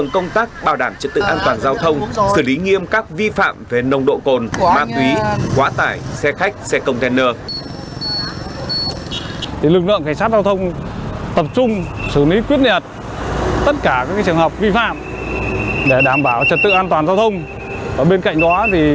công tác bảo đảm trật tự an toàn giao thông xử lý nghiêm các vi phạm về nồng độ cồn ma túy quá tải xe khách xe container